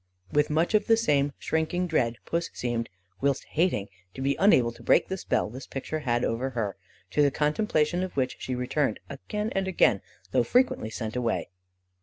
With much of the same shrinking dread Puss seemed, whilst hating, to be unable to break the spell this picture had over her, to the contemplation of which she returned again and again, though frequently sent away.